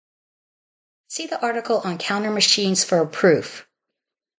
See the article on counter machines for a proof.